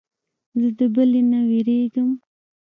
زه د بلې نه وېرېږم.